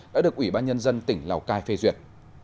đã được ủy ban nhân dân tỉnh lào cai phê duyệt